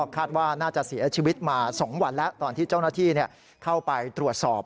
คาดว่าน่าจะเสียชีวิตมา๒วันแล้วตอนที่เจ้าหน้าที่เข้าไปตรวจสอบ